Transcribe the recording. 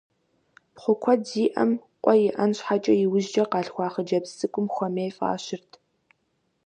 Пхъу куэд зиӀэм, къуэ иӀэн щхьэкӀэ, иужькӀэ къалъхуа хъыджэбз цӀыкӀум «Хуэмей» фӀащырт.